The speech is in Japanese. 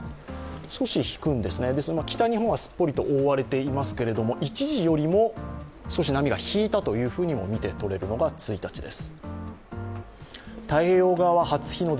少し引くんですね、北日本はすっぽり覆われていますけれども、一時よりも少し波が引いたというふうにも見てとれるのが１日です。